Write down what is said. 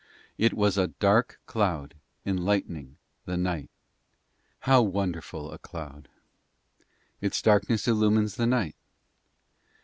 ' It was a dark cloud enlightening the night.' * How wonderful a cloud! — its darkness illumines the night.